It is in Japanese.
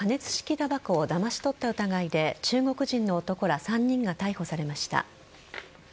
たばこをだまし取った疑いで中国人の男ら３人が逮捕されました。